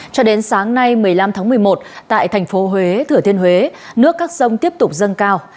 cho đến sáng nay một mươi năm tháng một mươi một tại thành phố huế thừa thiên huế nước các sông tiếp tục dâng cao